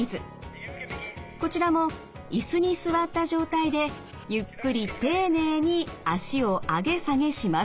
こちらも椅子に座った状態でゆっくり丁寧に脚を上げ下げします。